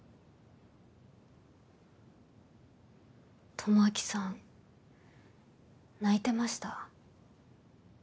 智明さん泣いてました。